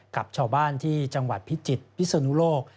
กับชาวบ้านที่จังหวัดพิจิตรพิศนุโลก